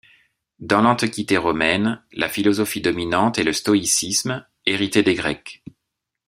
Dans l'Antiquité romaine, la philosophie dominante est le stoïcisme, hérité des Grecs.